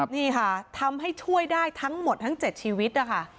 นี่ค่ะทำให้ช่วยได้ทั้งหมดทั้ง๗ชีวิตนะคะ